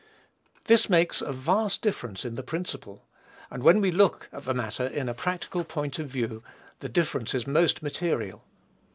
This makes a vast difference in the principle; and when we look at the matter in a practical point of view, the difference is most material.